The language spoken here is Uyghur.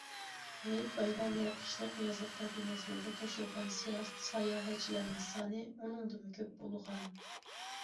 ھېيت- بايرام ۋە قىشلىق، يازلىق تەتىل مەزگىلىدە توشۇلغان ساياھەتچىلەرنىڭ سانى ئۇنىڭدىنمۇ كۆپ بولغان.